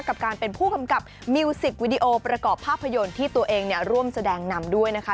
กับการเป็นผู้กำกับมิวสิกวิดีโอประกอบภาพยนตร์ที่ตัวเองเนี่ยร่วมแสดงนำด้วยนะคะ